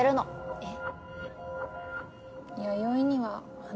えっ？